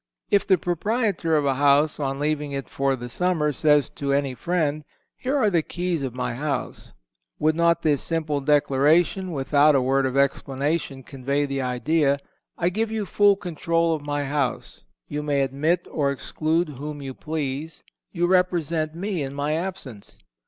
If the proprietor of a house, on leaving it for the summer, says to any friend: "Here are the keys of my house," would not this simple declaration, without a word of explanation, convey the idea, "I give you full control of my house; you may admit or exclude whom you please; you represent me in my absence?"